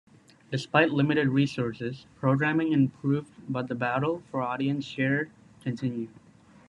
Despite limited resources, programming improved but the battle for audience share continued.